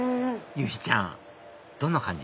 由依ちゃんどんな感じ？